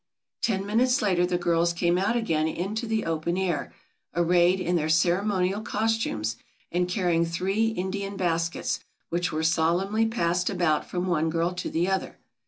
Ten minutes later the girls came out again into the open air, arrayed in their ceremonial costumes and carrying three Indian baskets which were solemnly passed about from one girl to the other.